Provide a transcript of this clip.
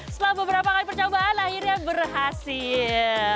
setelah beberapa kali percobaan akhirnya berhasil